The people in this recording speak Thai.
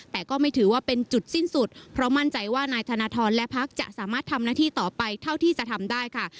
แต่ก็ไม่ถือว่าเป็นจุดสิ้นสุดเพราะมั่นใจว่านายธนทรและพักจะสามารถทำหน้าที่ต่อไปเท่าที่จะทำได้ค่ะ